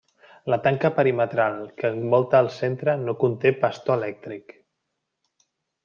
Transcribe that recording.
La tanca perimetral que envolta el centre no conté pastor elèctric.